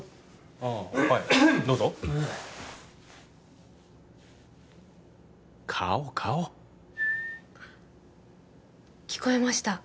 ああはいどうぞ顔顔聞こえました